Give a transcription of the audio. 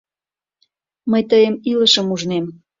Мый тыйым илышым ужнем.